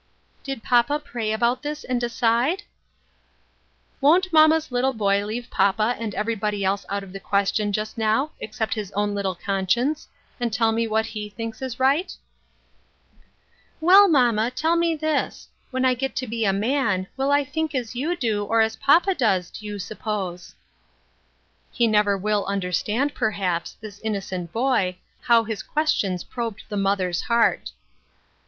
" Did papa pray about this and decide ?"" Won't mamma's little boy leave papa and everybody else out of the question just now, except his own little conscience, and tell me what he thinks is right ?"" Well, mamma, tell me this : when I get to be a man, will I think as you do, or as papa does, do you s'pose ?" He will never understand perhaps, this innocent boy, how his questions probed the mother's heart.